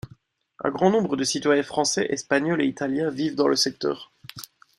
Un grand nombre de citoyens français, espagnols et italiens vivent dans le secteur.